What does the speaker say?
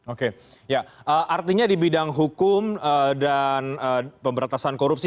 oke artinya di bidang hukum dan pemberatasan korupsi